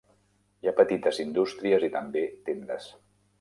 Hi ha petites indústries i també tendes.